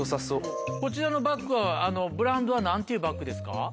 こちらのバッグはブランドは何ていうバッグですか？